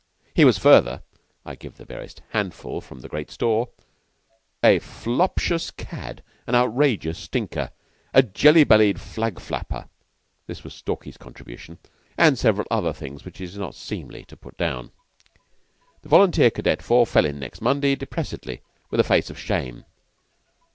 He was further (I give the barest handful from great store) a Flopshus Cad, an Outrageous Stinker, a Jelly bellied Flag flapper (this was Stalky's contribution), and several other things which it is not seemly to put down. The volunteer cadet corps fell in next Monday, depressedly, with a face of shame.